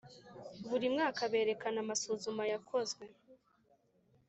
buri mwaka berekana amasuzuma yakozwe